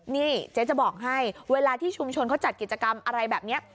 นี่เจ๊จะบอกให้เวลาที่ชุมชนเขาจัดกิจกรรมอะไรแบบนี้